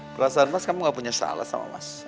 perasaan mas kamu gak punya salah sama mas